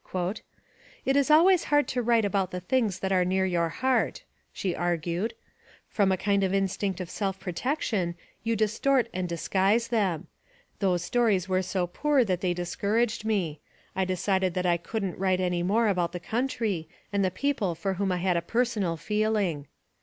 "It is always hard to write about the things that are near your heart," she argued. "From a kind of in stinct of self protection you distort and disguise them. Those stories were so poor that they discouraged me. I decided that I wouldn't write any more about the country and the people for whom I had a personal feeling.